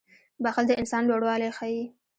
• بښل د انسان لوړوالی ښيي.